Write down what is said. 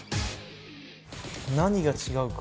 何が違うか？